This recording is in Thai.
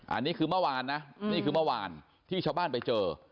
อันนี้คือเมื่อวานนะที่ชาวบ้านไปเจอ